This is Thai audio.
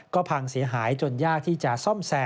ก็พังเสียหายจนยากที่จะซ่อมแซม